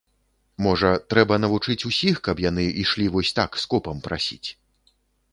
Можа, трэба навучыць усіх, каб яны ішлі вось так скопам прасіць.